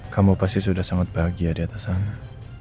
kamu pasti sudah sangat bahagia di atas sana